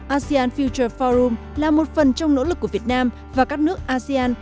asean future forum là một phần trong nỗ lực của việt nam và các nước asean